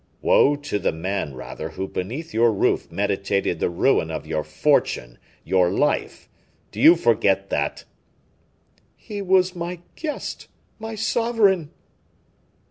"Woe to the man, rather, who beneath your roof meditated the ruin of your fortune, your life. Do you forget that?" "He was my guest, my sovereign."